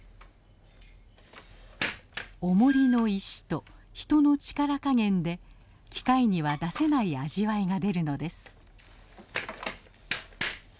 おもりの石と人の力加減で機械には出せない味わいが出るのです。